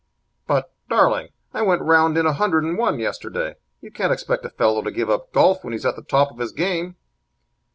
"But, darling, I went round in a hundred and one yesterday. You can't expect a fellow to give up golf when he's at the top of his game."